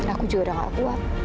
aku juga udah gak kuat